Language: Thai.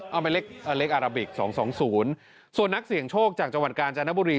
เอาไปเล็กอาราบิก๒๒๐ส่วนนักเสี่ยงโชคจากจังหวัดกาญจนบุรี